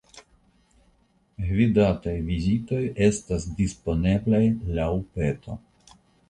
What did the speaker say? Gvidataj vizitoj estas disponeblaj laŭ peto.